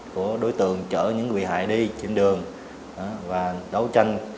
của đối tượng chở những bị hại đi trên đường và đấu tranh